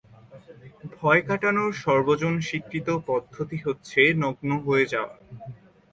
ভয় কাটানোর সর্বজনস্বীকৃত পদ্ধতি হচ্ছে নগ্ন হয়ে যাওয়া।